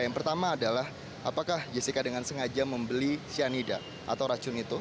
yang pertama adalah apakah jessica dengan sengaja membeli cyanida atau racun itu